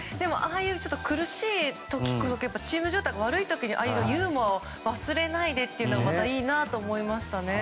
ああいう苦しい時こそチーム状態が悪い時にああいうユーモアを忘れないというのがいいなと思いましたね。